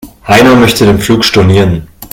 Heiner möchte den Flug stornieren.